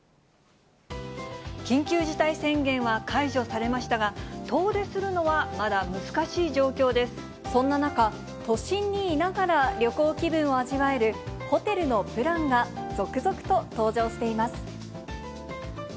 緊急事態宣言は解除されましたが、そんな中、都心にいながら、旅行気分を味わえるホテルのプランが続々と登場しています。